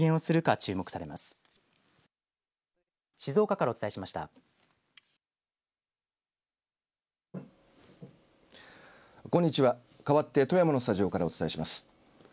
かわって富山のスタジオからお伝えします。